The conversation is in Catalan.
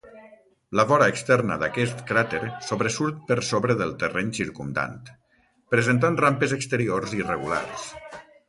La vora externa d'aquest cràter sobresurt per sobre del terreny circumdant, presentant rampes exteriors irregulars.